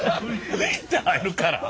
グイッて入るから。